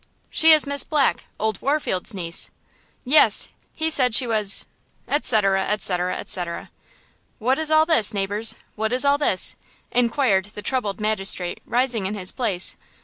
"She is Miss Black, old Warfield's niece." "Yes, he said she was," etc.,. etc.,. etc. "What is all this, neighbors, what is all this?" inquired the troubled magistrate, rising in his place.